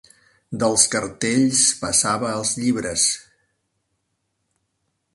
Dels cartells passava als llibres